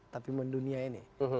tapi mendunia ini